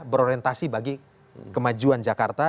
berorientasi bagi kemajuan jakarta